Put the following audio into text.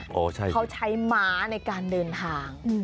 เขาใช้ม้าในการเดินทาง